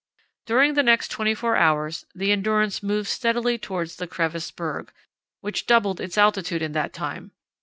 During the next twenty four hours the Endurance moved steadily towards the crevassed berg, which doubled its altitude in that time.